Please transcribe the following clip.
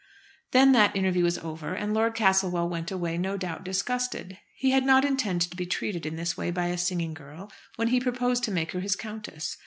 Then that interview was over, and Lord Castlewell went away no doubt disgusted. He had not intended to be treated in this way by a singing girl, when he proposed to make her his countess.